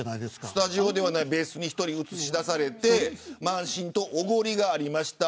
スタジオではない別室に１人、映し出され慢心とおごりがありました。